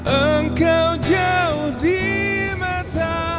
engkau jauh di mata